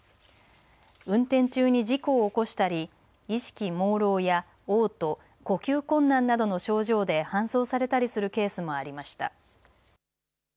運転中に事故を起こしたり意識もうろうやおう吐呼吸困難などの症状で搬送されたりするケースもありました。